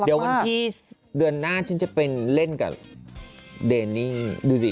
เดี๋ยววันที่เดือนหน้าผมจะไปเล่นกับเดนนี่